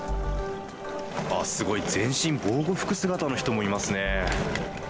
すごい、全身防護服姿の人もいますね。